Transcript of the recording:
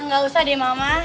gak usah deh mama